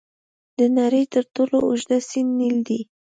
د نړۍ تر ټولو اوږد سیند نیل دی.